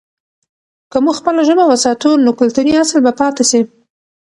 که موږ خپله ژبه وساتو، نو کلتوري اصل به پاته سي.